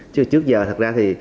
chứ trước giờ thật ra thì